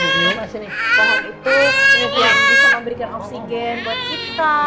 maksudnya pohon itu bisa memberikan oksigen buat kita